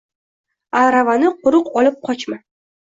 Aravani quruq olib qochma.